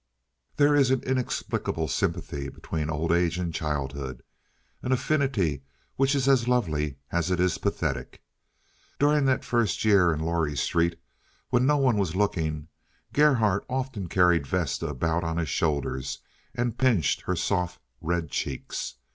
There is an inexplicable sympathy between old age and childhood, an affinity which is as lovely as it is pathetic. During that first year in Lorrie Street, when no one was looking, Gerhardt often carried Vesta about on his shoulders and pinched her soft, red cheeks.